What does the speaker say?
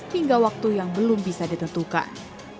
hingga waktu yang belum bisa ditentukan